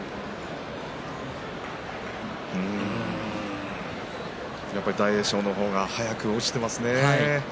うーんやっぱり大栄翔の方が早く落ちていますね。